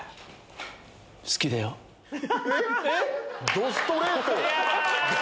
どストレート！